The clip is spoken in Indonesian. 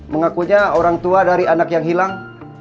mengakunya orang tua dari anak yang hilang